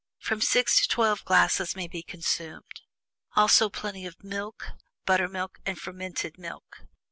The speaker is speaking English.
From six to twelve glasses may be consumed. Also plenty of milk, buttermilk and fermented milk.